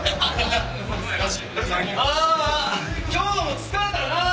今日も疲れたなぁ！